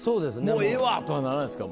「もうええわ！」とはならないですか？